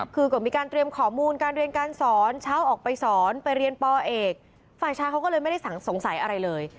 คือก็มีการเตรียมข้อมูลการเรียนการสอนเช้าออกไปสอนไปเรียนปเอกฝ่ายชายเขาก็เลยไม่ได้สงสัยอะไรเลย